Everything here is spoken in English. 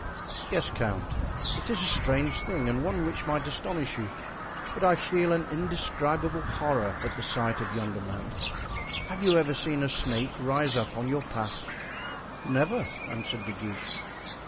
"Yes, count, it is a strange thing and one which might astonish you, but I feel an indescribable horror at the sight of yonder man. Have you ever seen a snake rise up on your path?" "Never," answered De Guiche.